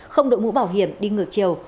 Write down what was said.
không độ mũ bảo hiểm đi ngược chiều